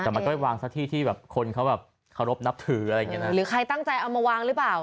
แต่มันก็ไปวางซะที่ที่แบบคนเขาแบบเคารพนับถืออะไรอย่างเงี้นะหรือใครตั้งใจเอามาวางหรือเปล่า